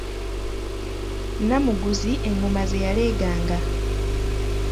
Namuguzi engoma ze yaleeganga.